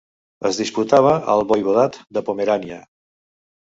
Es disputava al Voivodat de Pomerània.